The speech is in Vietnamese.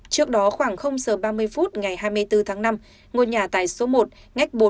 trước đó khoảng giờ ba mươi phút ngày hai mươi bốn tháng năm ngôi nhà tài số một ngách bốn mươi ba trên chín